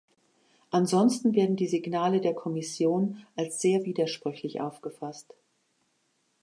Ansonsten werden die Signale der Kommission als sehr widersprüchlich aufgefasst.